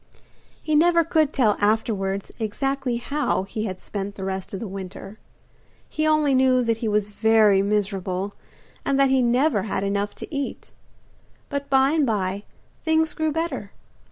He never could tell afterwards exactly how he had spent the rest of the winter. He only knew that he was very miserable and that he never had enough to eat. But by and by things grew better.